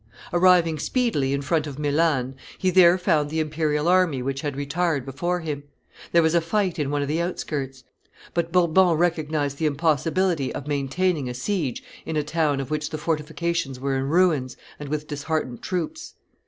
Arriving speedily in front of Milan, he there found the imperial army which had retired before him; there was a fight in one of the outskirts; but Bourbon recognized the impossibility of maintaining a siege in a town of which the fortifications were in ruins, and with disheartened troops.